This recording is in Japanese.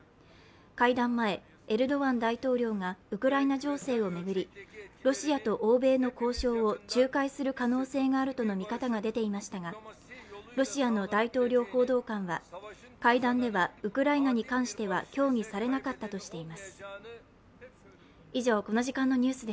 会談前、エルドアン大統領がウクライナ情勢を巡り、ロシアと欧米の交渉を仲介する可能性があるとの見方が出ていましたがロシアの大統領報道官は、会談ではウクライナに関しては協議されなかったとしています。